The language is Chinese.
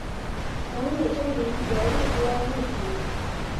魔女阵营荷丽歌恩一族